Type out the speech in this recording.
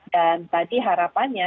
dan tadi harapannya